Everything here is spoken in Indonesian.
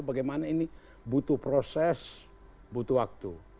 bagaimana ini butuh proses butuh waktu